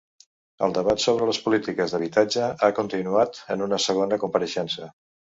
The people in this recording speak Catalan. El debat sobre les polítiques d’habitatge ha continuat en una segona compareixença.